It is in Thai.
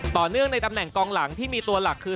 เนื่องในตำแหน่งกองหลังที่มีตัวหลักคือ